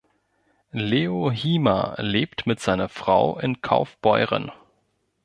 Leo Hiemer lebt mit seiner Frau in Kaufbeuren.